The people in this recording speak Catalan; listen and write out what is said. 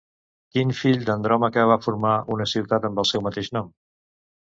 Quin fill d'Andròmaca va formar una ciutat amb el seu mateix nom?